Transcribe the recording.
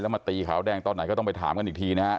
มาตีขาวแดงตอนไหนก็ต้องไปถามกันอีกทีนะครับ